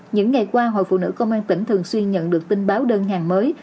những ngày qua hội phụ nữ công an tỉnh thường xuyên nhận được tin báo đơn hàng mới